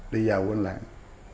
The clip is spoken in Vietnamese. đi vào quân lãng